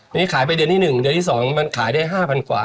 ค่ะนี่ขายไปเดือนที่หนึ่งเดือนที่สองมันขายได้ห้าพันกว่า